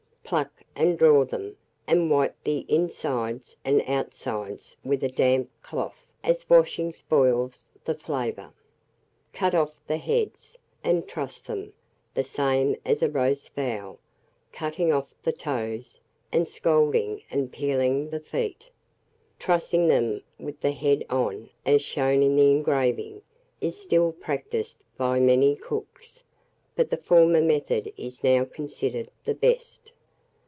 Pluck and draw them, and wipe the insides and outsides with a damp cloth, as washing spoils the flavour. Cut off the heads, and truss them, the same as a roast fowl, cutting off the toes, and scalding and peeling the feet. Trussing them with the head on, as shown in the engraving, is still practised by many cooks, but the former method is now considered the best.